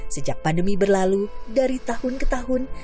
sejak pandemi berlalu dari tahun ke tahun